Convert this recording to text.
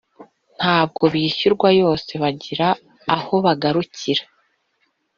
ntabwo bishyura yose bagira aho bagarukira